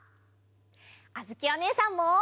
あづきおねえさんも！